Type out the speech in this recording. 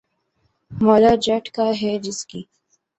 ’مولا جٹ‘ کا ہے جس کی